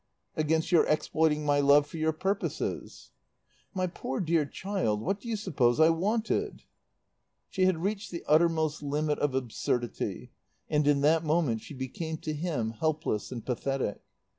"Against your exploiting my love for your purposes." "My poor dear child, what do you suppose I wanted?" She had reached the uttermost limit of absurdity, and in that moment she became to him helpless and pathetic.